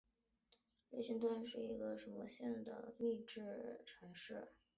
列辛顿是一个位于美国密西西比州霍尔姆斯县的城市。